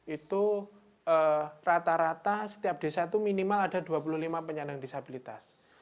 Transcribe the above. itu rata rata setiap desa itu minimal ada dua puluh lima penyandang disabilitas